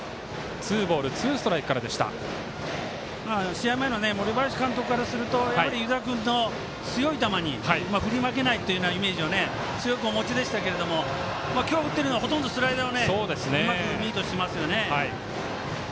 試合前の森林監督からすると湯田君の強い球に振り負けないというようなイメージを強くお持ちでしたが今日、振っているのはほとんどスライダーをうまくミートしてますよね。